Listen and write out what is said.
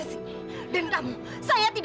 apa yang gra careers